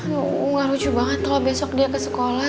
nggak lucu banget kalo besok dia ke sekolah